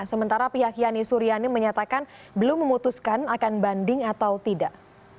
sementara pihak yani suryani menyatakan belum memutuskan akan banding atau tidak